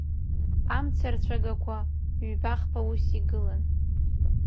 Амца арцәагақәа ҩба-хԥа ус игылан.